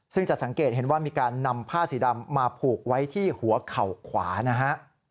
ซึ่งจะสังเกตเห็นว่ามีการนำผ้าสีดำมาผูกไว้ที่หัวเข่าขวานะฮะ